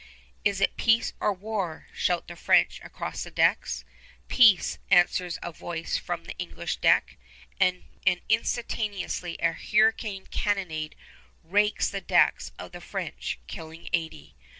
"Is it peace or war?" shout the French across decks. "Peace," answers a voice from the English deck; and instantaneously a hurricane cannonade rakes the decks of the French, killing eighty.